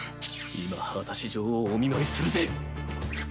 今果たし状をお見舞いするぜ！